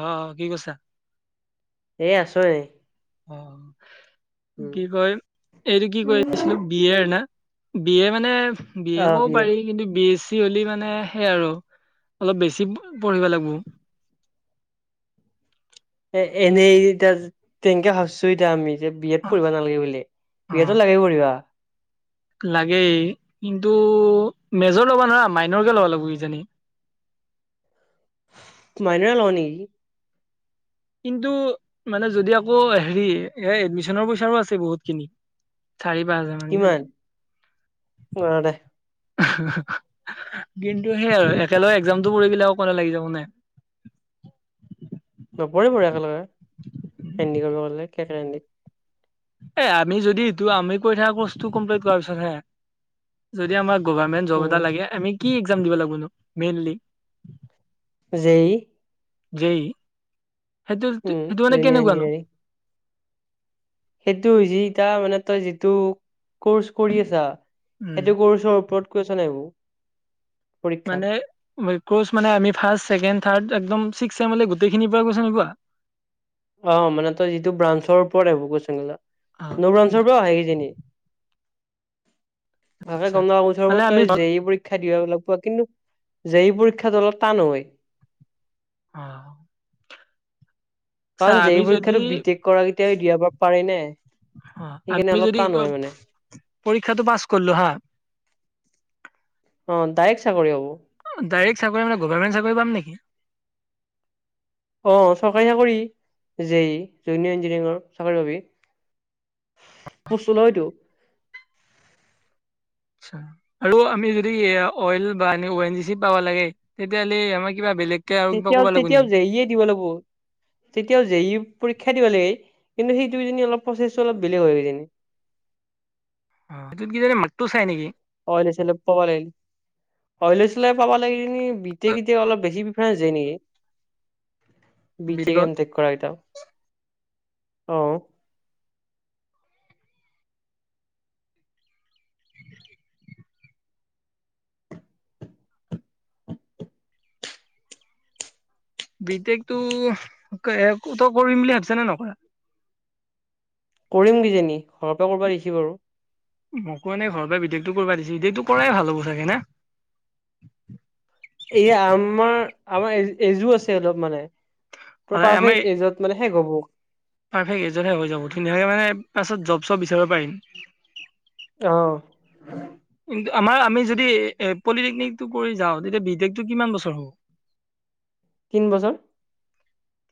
অ কি কৰিছা? এই আছো এনে। অ উম, কি কয় এইটো কি কৈ আছিলো বি য়েৰ না? বি এৰ মানে বি অ এৰ ক'বও বিয়ে পাৰি। কিন্তু বি এছ চি হ'লে মানে সেয়াই আৰু অলপ বেছি পঢ়িব লাগিবো। এ এনেই এতিয়া তেনেকে ভাবিছো এতিয়া আমি। যে বি এড অ পঢ়িব নালাগে বুলি বি অ এডো লাগে পঢ়িবা। লাগেই কিন্তু মেজৰ ল'বা নৰা মাইনৰকে ল'ব লাগিব কিজানি। মাইনৰে লও নেকি। কিন্তু মানে যদি আকৌ হেৰি এ এডমিচনৰ পইচাও আছে বহুত খিনি। চাৰি পাছ হাজাৰ মান কিমান অ কিজানি। দে [inaudible] কিন্তু সেই আৰু একেলগে একজামটো পৰিগলে অকলে লাগি যাব না। নপৰিব একেলগে, হেন্দি কৰিব গলে কে কে হেন্দিত। এ আমি যদি এইটো আমি কৰি থকা কৰ্চটো কমপ্লিট কৰাৰ পিছত হে যদি আমাৰ গভাৰ্ণমেণ্ট জব উম এটা লাগে আমি কি একজাম দিব লাগবনো মেইনলি? J E. জেই উম সেইটো-সেইটো মানে জুনিয়ৰ কেনেকুৱা নো? ইঞ্জিনিয়াৰিং সেইটো হৈছে এতিয়া মানে তই যিটো কৰ্চ কৰি আছা। উম সেইটো কৰ্ছৰ ওপৰত কোৱেছন আহিব। পৰীক্ষাত মানে ক্ৰচ মানে আমি ফাৰ্ষ্ট, ছেকেণ্ড, থাৰ্ড একদম ছিক্স ছেমলে গোটেইখিনিৰ পৰা কোৱেচন পেপাৰ। অঁ! মানে তই যিটো ব্ৰাঞ্চৰ ওপৰত আহিব অ কোৱেচনবিলাক? নবঞ্চৰ পৰা আহিছে নেকি? [unintelligible] আচ্ছা গংগা মানে পইছাবোৰ আমি তই অ জেই পৰী পৰীক্ষা দিয়াব লাগিব কিন্তু জেই পৰীক্ষাটো অলপ টান হয়। অঁ! কাৰণ আমি জেই যদি পৰীক্ষাটো বিটেক কৰা কেইটাই দিয়াব পাৰে নাই? অঁ! আমি যদি অ পৰীক্ষাটো পাছ কৰিলোঁ হা। অঁ! ডাইৰেক্ট চাকৰি হ'ব। অঁ! ডাইৰেক্ট চাকৰি মানে গভৰ্ণমেণ্ট চাকৰি পাম নেকি? অ! চৰকাৰী চাকৰি জেই জুনিয়ৰ ইঞ্জিনিয়াৰিঙৰ চাকৰি পাবি। পোষ্ট ওলাইটো। আচ্ছা আৰু আমি যদি অইল বা এনেও অএনজিচি পাব লাগে তেতিয়াহ'লে আমাক তেতিয়াও-তেতিয়াও জে য়ি এ দিব লাগিব। তেতিয়াও জে ই পৰীক্ষা দিব লাগে কিন্তু সেইটো কিজানি অলপ প্ৰচেছটো অলপ বেলেগ হয় কিজানি। অঁ! সেইটোত কিজানি মাৰ্কটো চাই নেকি? অইলে-চইলে পাব লাগিল। অইলে-চইলে পাব লাগিলে কিজানি বিটেক-চিটেক অলপ বেছি হয় যে নেকি? বি বিতেক, টেকত? এমতেক কৰা কেইটাও অঁ। বিটেকটো [unintelligible] তই কৰিম বুলি ভাবিছা নে নকৰা? কৰিম কিজানি ঘৰৰ পৰা কৰিব দিছে বাৰু। মোকো এনে ঘৰৰ পৰা বিটেকটো কৰিব দিছিল। বিটেকটো কৰাই ভাল হ'ব চাগে না? এইয়া আমাৰ-আমাৰ এ এজো আছে অলপ মানে। তই সদায় আমাৰ পাৰফেক্ট এইজত মানে শেষ হ'ব। পাৰফেক্ট এজতহে হৈ যাব। ধুনীয়াকে মানে পাছত জব-চব বিচাৰিব পাৰিম। অঁ। কিন্তু আমাৰ আমি যদি এ পলিটেকনিকটো কৰি যাওঁ তেতিয়া বিটেকটো কিমান বছৰ হ'ব? তিন বছৰ।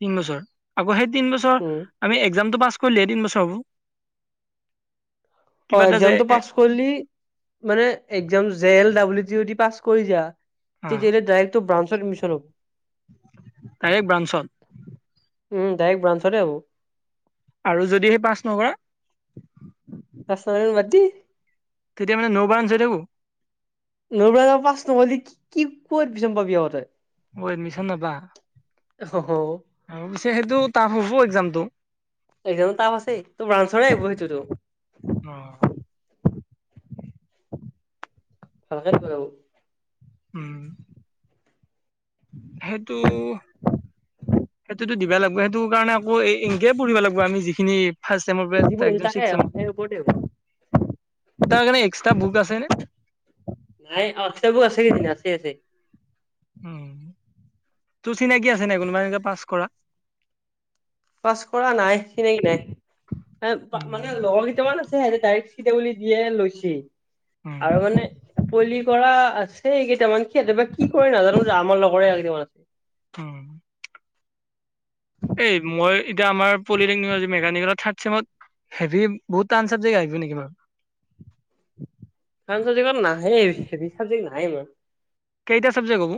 তিন বছৰ। আকৌ সেই তিন বছৰ উম আমি একজামটো পাছ কৰিলেহে তিন বছৰ হ'ব? অ কিবা এটা যে এক্জামটো পাছ কৰিলি মানে একজাম জে এল ডাব্লিটি যদি পাছ কৰি যাৱ। অ তেতিয়া হ'লেটো ডাইৰেক্ট তোৰ ব্ৰাঞ্চত এডমিচন হ'ব। ডাইৰেক্ট ব্ৰাঞ্চত উম! ডাইৰেক্ট ব্ৰাঞ্চতে হ'ব। আৰু যদি সেই পাছ নকৰা? পাছ নকৰিলে বাদদি। তেতিয়া মানে ন‌ও ব্ৰাঞ্চ হৈ থাকিব? ন‌ও ব্ৰাঞ্চ পাছ নহলি কি ক'ত এডমিছন পাবি তই। অ! এডমিচন নাপা? অহ [unintelligible] আৰু পিছে সেইটো টাফ হ'ব একজামটো। একজামটো ট্ৰাফ আছে। এইটোতো ব্ৰাঞ্চৰে আহিব সেইটোতো। অঁ! ভালকে ভাবি [unintelligible] উম। সেইটো, সেইটোতো দিবা লাগব সেইটো কাৰণে অ', ইংকে পঢ়িবা লাগব আমি যিখিন ফাৰ্ষ্ট ছেম পৰা যিবোৰ একদম তাকে ছিক্স ছেম [unintelligible] তাৰ কাৰণে এক্সট্ৰা বুক আছে নে? নাই [unintelligible] উম, তোৰ চিনাকি আছে নে কোনোবা এনেকে পাছ কৰা? পাছ কৰা নাই চিনাকি নাই, মানে উম, লগৰ কেইটামান আছে [unintelligible] বুলি দিয়ে লৈছে উম, আৰু মানে পলি কৰা আছে কেইটামান সিহঁতে বা কি কৰে নাজানোঁ, আমাৰ লগৰে কেইটামান আছে। অ'। এই মই এতিয়া আমাৰ পলিটেকনিকৰ যি মেকানিকেলৰ থাৰ্ড চেমত হেভি বহুত টান চাবজেক্ট আহিব নেকি বাৰু? টান চাবজেক্ট ইমান নাহে, হেবি চাবজেক্ট নাহে ইমান। কেইটা চাবজেক্ট হ'ব?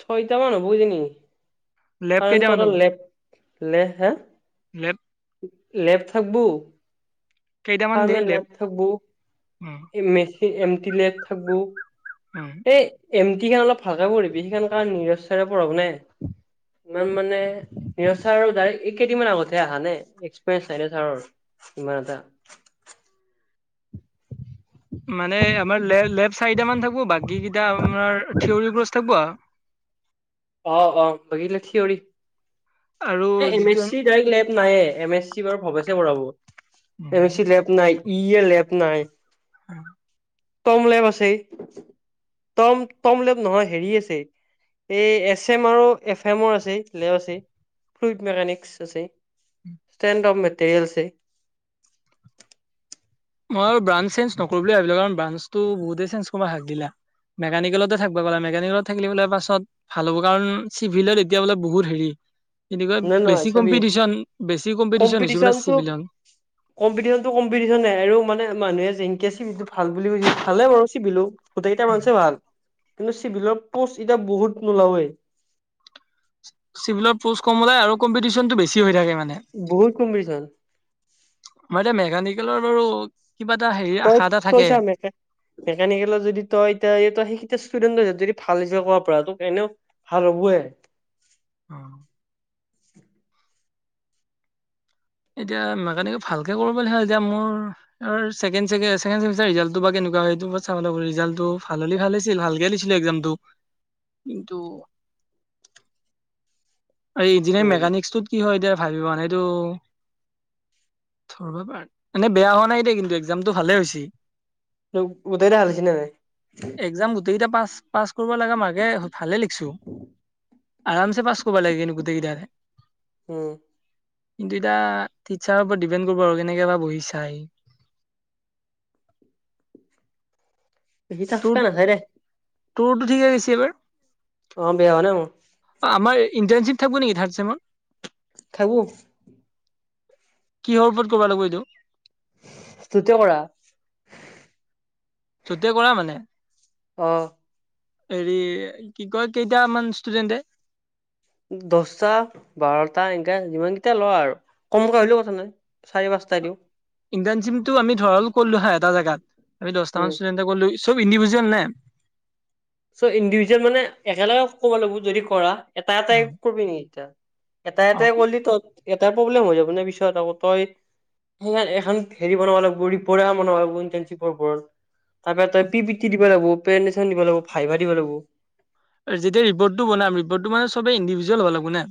ছয়টা মান হ'ব কিজানি। লেব কাৰণ কেইটামান তহঁতৰ হ'ব? লেব, লে হা, লেব লেপ থাকব'। কেইটামান দেই থাৰ্মেল লেব? লেপ থাকব উম, মেচ এমটি লেপ থাকব। অ'। এ এম টি খান অলপ ভালকে পঢ়িবি, সেইখন কাৰণ নিৰজ চাৰে পঢ়াব নে। ইমান মানে নীৰজ চাৰৰ ডাইৰেক্ট এই কেইদিনমান আগতহে আহা নে এক্সপিৰিয়েঞ্চ নাই না ছাৰৰ। ইমান এটা মানে আমাৰ লে, লেব চাৰিটা মান থাকিব বাকী কেইটা আমাৰ থিয়ৰিৰ কোৰ্চ থাকব। অ', অ', বাকী গিলা থঅৰি, আৰু এ এম এছ যিটো চি ডাইৰেক্ট লেব নাই এ এম এছ চি বাৰু ভবেছে পঢ়াব M S um, C lab নাই, ই এ লেব নাই। হয় টম লেভ আছে। টম টম লেভ নহয় হেৰি আছে, এই এক এছ এম আৰু এফ এমৰ আছে লেব আছে ফ্ৰুইট মেকানিক আছে। ষ্টেণ্ডপ মেটৰিয়েলছে মই ব্ৰাঞ্চ চেঞ্জ নকৰো বুলিয়ে ভাবিলো কাৰণ ব্ৰাঞ্চটো বহুতে চঞ্জ কৰবা হাগ দিলাক। মেকানিকেলতে থাকব বোলে, মেকানিকেলত থাকিলে বোলে পাছত ভাল হ'ব কাৰণ চিভিলত এতিয়া বোলে বহুত হেৰি এনেকুৱা নাই নহয় বেছি চাবি কম্পিটিশন বেছি কম্পিটিশ্যন হৈছে বোলে চিভিলত। কম্পিটিশনটোোম্পিটিশ্যন আৰু মানে মানুহে যেনকে চিটো ভাল বুলি কৈ ভালে বাৰু চিিলো। গোটেইকেইটা মানচে ভাল, কিন্তু চিভিলৰ পষ্ট এতিয়া বহুত নোলাৱই। চিভিলৰ প'ষ্ট কম ওলাই আৰু কম্পিটিশ্যনটো বেছি হৈ থাকে মানে। বহুত কম্পিটিশ্যন। মানে মেকানিকেলৰ বাৰু কিবা এটা হেৰি আশা এটা থাকে। মেকানিকেলৰ যদি তই এতিয়া তই সেইটা ষ্টুডেণ্টৰ যদি ভাল ৰিজাল্ট কৰবা পাৰা তক এনেও ভাল হ'ব এ। অ'। এতিয়া মেকানিকেল ভালকে কৰিব পাৰিলে ভাল, এতিয়া মোৰ আমাৰ ছেকেণ্ড চাগে, ছেকেণ্ড ছেমিষ্টাৰৰ ৰিজাল্টটো বা কেনেকুৱা হয় এইটোৰ ওপৰত চাব লাগব ৰিজাল্টটো ভাল হ'লে ভাল আছিল, ভালকে দিছিলোঁ এক্সাম। টো কিন্তু এই ইঞ্জিনিয়াৰ উম মেকানিকচটোত কি হয় এতিয়া ভাবিব এইটো। মানে বেয়া হোৱা নাই দেই কিন্তু একজামটো, ভালে হৈছি। গোটেইগিতা ভাল হৈছি না একজাম গোটেইকেইটা পাছ-পাছ কৰিব লাগে মাঘে ভালে লিখিছো। আৰামচে পাছ ক'ব লাগে নো গোটেইগিটাৰ। উম। কিন্তু এতিয়া, টিচাৰৰ ওপৰত ডিপেণ্ড কৰিব আৰু কেনেকে বা বহি চাই। বেছি চাফকে নাচাই দে। তোৰটো ঠিকে আহিছে এইবাৰ? অ' বেয়া হোৱা নাই মোৰ। আমাৰ ইণ্টাৰ্শ্বিপ থাকিব নেকি থাৰ্দ ছেমত? থাকব। কিহৰ ওপৰত ক'ব লাগিব এইটো? [unintelligible] কৰা। [unintelligible] কৰা মানে? অ'। হেৰি কি কয়, কেইটামান ষ্টুডেণ্টে? দছটা, বাৰটা, এনকা যিমান কেইটা লৰা আৰু, কমকে হলেও কথা নাই। চাৰি পাঁচটা দিওঁ। ইণ্টাৰ্ণচিপটো আমি ধৰাল কৰিলোঁ হা এটা জাগাত, আমি উম দহটামান ষ্টুডেণ্টে কৰিলোঁ, চব ইণ্ডভিজুৱেল নে। চ' ইণ্ডিভিজুৱেল মানে একেলগে ক'ব লাগিব যদি কৰা, এটা এটাই কৰিবি নেকি এতিয়া? এটা অ এটাই কৰিলি তই এটা প্ৰব্লেম হৈ যাব ন পিছত আকৌ তই সেই এখন হেৰি বনাব লাগিব ৰিপৰ্ট এখন বনাব লাগিব ইণ্টাৰ্ণচিপৰ উপৰত। তাৰ পৰা তই পি পি টি দিব লাগিব, প্ৰেজেণ্টেছন দিব লাগিব, ভাইবা দিব লাগিব। আৰু যেতিয়া ৰিপৰ্টটো বনাম, ৰিপৰ্ট মানে চবে ইণ্ডিভিজুৱেল হ'ব লাগিব না।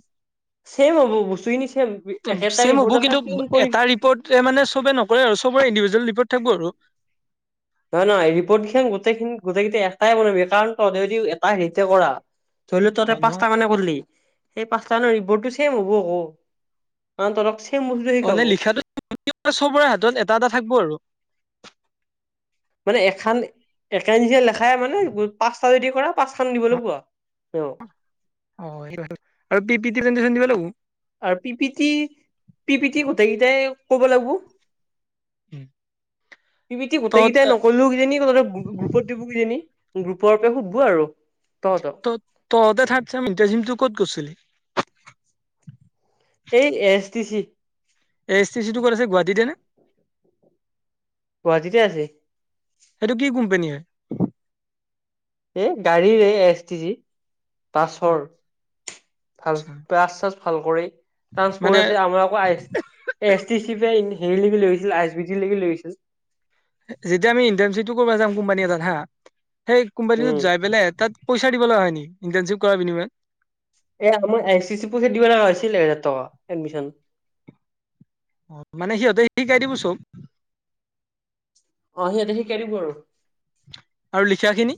ছেম হ'ব বস্তুখিনি ছেম, একেটা ছেম হ'ব ৰিপৰ্টকে কিন্তু প্ৰিণ্ট কৰি এটা ৰিপৰ্টে মানে চবে নকৰে আৰু চবৰে ইণ্ডিভিজুৱেল ৰিপৰ্ট থাকিব আৰু। নহয় নহয় ৰিপৰ্টখিনি গোটেইখিনি গোটেইগিতা এটাই বনাবি, কাৰণ তহতে যদি এটা হেৰিতে কৰা ধৰি লওঁ তহতে অ নহয় পাঁচটা মানে কৰিলি, সেই পাঁচটা মানৰ ৰিপৰ্টো ছেম হ'ব ঔ। কাৰণ তহঁতক ছেম বস্তুটোৱে অ নে শিকাব। লিখাটো চবৰে হাতত এটা এটা থাকিব আৰু। মানে এখান। [unintelligible] লেখাই মানে পাঁচটা যদি কৰা, পাঁচ খান দিব লাগিব আৰু মেমক। অ' আৰু পি পি টি প্ৰেজেণ্টেছন দিব লাগিব? আৰু P P T, P P T গোটেই কেইটাই ক'ব লাগিব। পি পি টি গোটেই তহত কেইটাই নক কৰিলেও কিজানি তহঁতৰ গ্ৰুপত দিব কিজানি, গ্ৰুপৰ পৰা সোধব আৰু। তহঁতক ত' তহঁতে থাৰ্ড ছেম ইণ্টাৰ্ণশ্বিপটো ক'ত গৈছিলি? এই A S T C. A S T C টো ক'ত আছে গুৱাহাটিতে নে? গুৱাহাটীতে আছে। সেইটো কি কোম্পানী হয়? এ গাড়ীৰ এ এছ টি চি, বাছৰ, ভাল আচ্ছা বাছ চাছ ভাল কৰি, মানে ট্ৰান্সপৰ্ট আছে আমাৰ আকৌ আইছ এছ টি চি যে হেৰিলৈকে লৈ গৈছিল, আই এছ বি টি লৈকে লৈ গৈছিল। যে যেতিয়া আমি ইন্টাৰ্নশ্বিপটো কৰিব যাম কোম্পানী এটাত হা সেই উম কোম্পানীটোত যাই পেলাই তাত পইচা দিব লগা হয় নেকি ইণ্টাৰ্ণচিপ কৰাৰ বিনিময়ত এ আমাৰ আই চি চি পুঁজিত দিব লগা হৈছিলে ত এডমিচন অ মানে সিহঁতে শিকাই দিব চব অ' সিহঁতে শিকাই দিব আৰু আৰু লিখাখিনি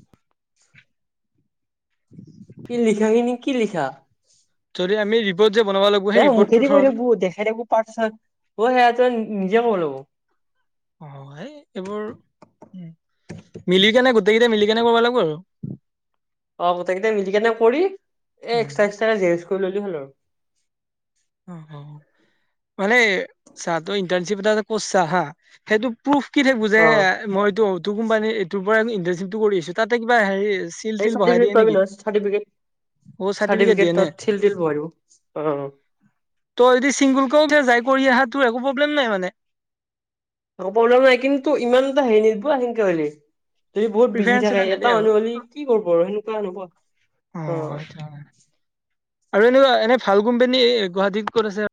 সি লিখাখিনি কি লিখা যদি আমি ৰিপৰ্ট যে বনাব লাগিব সেই তাই ৰিপৰ্টটো মুখেদি কৈ ধৰ দিব দেখাই দিব পাছেল অ সেয়া তই নিজে কৰিব লাগিব অ সেই এইবোৰ উ মিলি কেনে গোটেইকেইটা মিলি কেনে কৰিব লাগিব আৰু অ গোটেই কেইটা মিলিকেনে কৰি এ উম। এক্সাটা এক্সাটাকে জেৰজ কৰি ললে হ'ল আৰু অ হ মানে চা তই ইণ্টাৰ্ণশ্বিপ এটা কৰিছা হা সেই প্ৰুফ কি থাকিবো যে অ মইটো ইটো কোম্পানী এইটোৰ পৰা ইণ্টাৰ্ণশ্বিপটো কৰিছো তাতে কিবা হেৰি চিল সেই তিল বহাই চাৰ্টিফিকেট দিয়ে পাবি নেকি? নহয় অ' চাৰ্টিফিকেট দিয়ে চাৰ্টিফিকেট নে? ছিল তিল লগাই দিব অ তই যদি চিংগুলকেও যাই কৰি অহা তোৰ একো প্ৰব্লেম নাই মানে প্ৰব্লেম নাই কিন্তু ইমান এটা হেৰি নিদিব সেনকে হলে যদি বহুত বিজি প্ৰিফাৰেঞ্চ থাকে নেদে এটা আৰু। মানুহ হলি কি কৰিব আৰু এনেকোৱা হেনেকোৱা অ আচ্ছা আৰু এনেকুৱা এনে ভাল কোম্পানী গুৱাহাটীত ক'ত আছে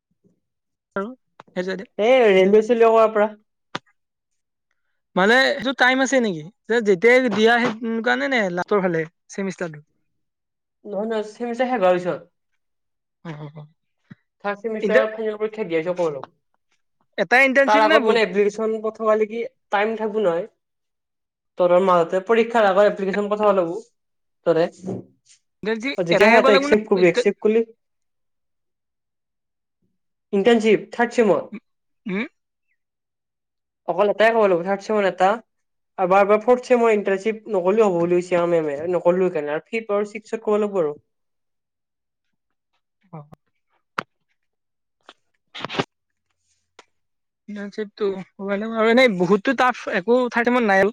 আৰু সেইযে এ ৰেলোইৰ চেলোইৰ কৰাৰ পৰা মানে সেইটো টাইম আছে নেকি যে যেতিয়াই দিয়া সেই কাৰণে নে লাষ্টৰ ফালে চেমিষ্টাৰটো নহয় নহয় চেমিষ্টাৰ শেষ হোৱাৰ পিছত অ ফাৰ্ষ্ট চেমিষ্টাৰ ইণ্টাৰ [unintelligible] এটাই তাৰ ইণ্টাৰ্ণশ্বিপ নে আগত বহুত মানে এপ্লিকেচন সেইখন পঠাব লাগি টাইম থাকো নহয় তোৰ মাজতে পৰীক্ষাৰ আগত এপ্লিকেশন পঠাব লাগো তাৰে ইণ্টাৰ্ণশ্বিপ এটাই তেতিয়াহে কৰিব তই লাগিব নে একেচেপ্ট কৰিবি একচেপ্ট কৰিলে ইণ্টাৰ্ণশ্বিপ থাৰ্ড ছেমত হুম অকল এটাই কব লাগে থাৰ্ড চেমত এটা আৰু বা বা ফ্ৰৰ্টচেমত ইণ্টাৰ্ণচিপ নকৰিলেও হ'ব বুলিছে মেমে নকৰিলো সেই কাৰণে আৰু ফিট আৰু ছিক্স কৰিব লাগিব আৰু হয় [unintelligible] ইণ্টাৰ্ণশ্বিপটো আৰু এনেও এনে বহুতো টাফ একো ঠাই টাইমত নাই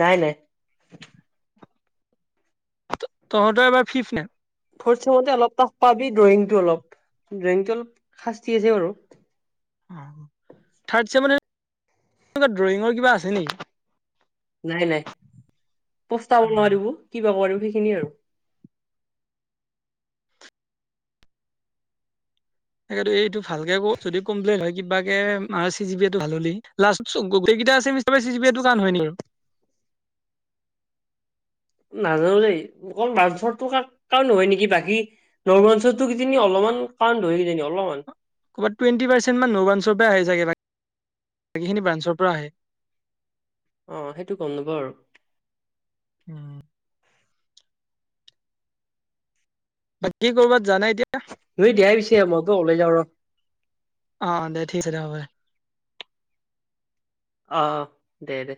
নাই নাই তহঁতৰ এবাৰ ফিফ নে ফ্ৰট চেমত অলপ টাফ পাবি ড্ৰয়িং টো অলপ ড্ৰয়িং টো অলপ শাস্তি আছে বাৰু থাৰ্ড চেমত মানে ড্ৰয়িঙৰ কিবা আছে নেকি নাই নাই পস্তাব অ নোৱাৰিবো কিবা কৰিব সেইখিনি আৰু সেইটো এইটো ভালকে ক যদি কমপ্লেইন হয় কিবাকে মা চি জি বিটো ভাল হ'লে লাষ্ট গোটেই কেইটা আচানি বে চি চি এইটো টান হয় নেকি নাজানো দেই অকল মাৰ্চতো কাৰ নহয় নেকি বাকী নৰমঞ্চতো কিজানি অলপমান টান হয় কিজানি অলপমান ক'ৰবাত টুৱেণ্টি পাৰ্চেণ্ট মান নৌ ব্ৰাঞ্চৰ পৰা আহে চাগে বা বাকীখিনি ব্ৰাঞ্চৰ পৰা আহে অ সেইটো গম নাপাওঁ আৰু [unintelligible] বাকি কৰবাত যোৱা নাই এতিয়া? [unintelligible] দেহাই পিছে মই গৌ ওলোই যাওঁ ৰ। অ দে ঠিক আছে দে হব দে। অ দে দে।